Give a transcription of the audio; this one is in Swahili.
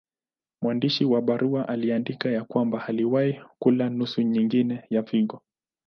Mwandishi wa barua aliandika ya kwamba aliwahi kula nusu nyingine ya figo.